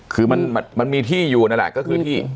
คือมันมีที่อยู่นั่นแหละก็คือที่